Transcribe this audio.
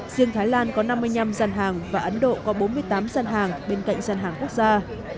riêng thái lan có năm mươi năm dân hàng và ấn độ có bốn mươi tám dân hàng bên cạnh dân hàng quốc gia